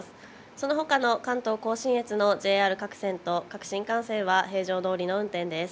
そのほかの関東甲信越のＪＲ各線と各新幹線は、平常どおりの運転です。